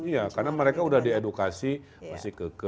iya karena mereka sudah diedukasi masih ke